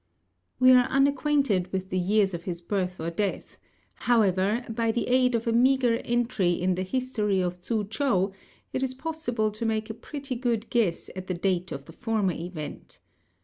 We are unacquainted with the years of his birth or death; however, by the aid of a meagre entry in the History of Tzü chou it is possible to make a pretty good guess at the date of the former event.